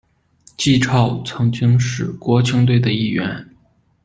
纪超曾经是国青队的一员。